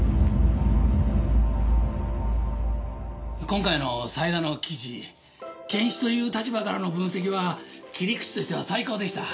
今回の斎田の記事検視という立場からの分析は切り口としては最高でした。